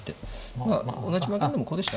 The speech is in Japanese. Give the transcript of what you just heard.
まあ同じ負けるんでもこうでした？